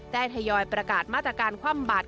ได้ทยอยอย้ประกาศมาตรการความบาด